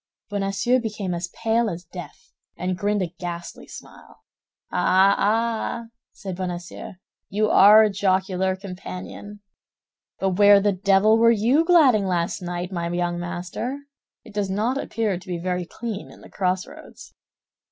Bonacieux became as pale as death, and grinned a ghastly smile. "Ah, ah!" said Bonacieux, "you are a jocular companion! But where the devil were you gadding last night, my young master? It does not appear to be very clean in the crossroads."